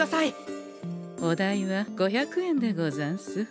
お代は５００円でござんす。